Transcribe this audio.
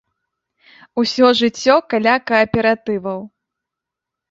Усё жыццё каля кааператываў.